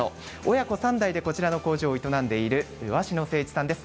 親子３代でこちらの工場を営んでいる鷲野城克一さんです。